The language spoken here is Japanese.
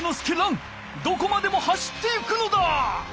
どこまでも走っていくのだ！